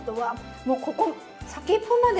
もうここ先っぽまで。